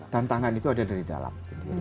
tantangan itu ada dari dalam sendiri